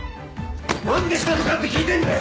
何でしたのかって聞いてんだよ